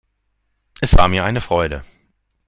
Es war mir eine Freude.